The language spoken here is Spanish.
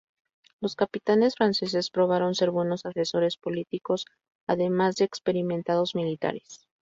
Los capitanes franceses probaron ser buenos asesores políticos, además de experimentados militares.